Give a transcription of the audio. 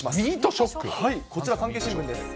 こちら、産経新聞です。